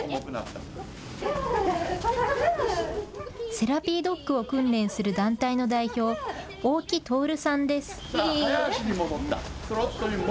セラピードッグを訓練する団体の代表、大木トオルさんです。